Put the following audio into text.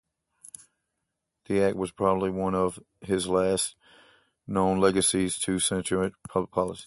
This Act was probably one of his least known legacies to Saskatchewan public policy.